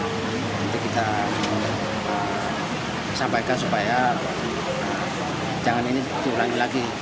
nanti kita sampaikan supaya jangan ini diulangi lagi